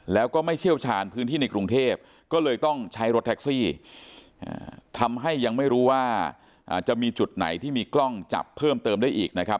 แล้วก็ไม่เชี่ยวชาญพื้นที่ในกรุงเทพก็เลยต้องใช้รถแท็กซี่ทำให้ยังไม่รู้ว่าจะมีจุดไหนที่มีกล้องจับเพิ่มเติมได้อีกนะครับ